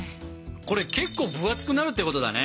これ結構分厚くなるってことだね。